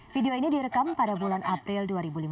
video ini direkam pada bulan april dua ribu lima belas